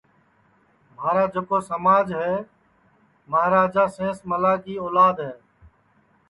مہارا جکو سماج ہے مہاراجا سینس ملا کی اولاد ہے